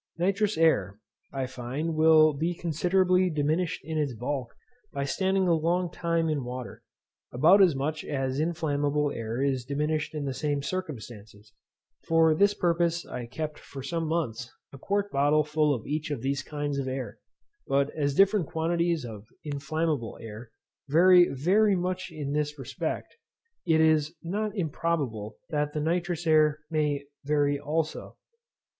Nitrous air, I find, will be considerably diminished in its bulk by standing a long time in water, about as much as inflammable air is diminished in the same circumstances. For this purpose I kept for some months a quart bottle full of each of these kinds of air; but as different quantities of inflammable air vary very much in this respect, it is not improbable but that nitrous air may vary also.